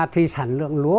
thì sản lượng lúa